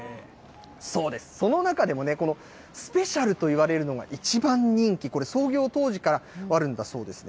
その中でもスペシャルといわれるのが、一番人気、これ、創業当時からあるんだそうですね。